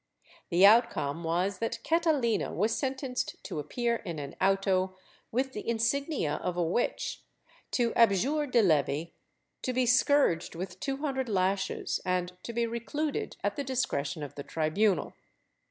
The outcome was that Catalina was sentenced to appear in an auto with the insignia of a witch, to abjure de levi, to be scourged with two hundred lashes, and to be recluded at the discretion of the tribunal.